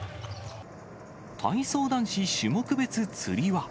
体操男子種目別つり輪。